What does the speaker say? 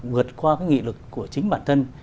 vượt qua cái nghị lực của chính bản thân